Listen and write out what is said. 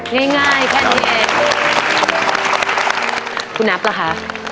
นี่ง่ายแค่นี้เองคุณนับเหรอคะ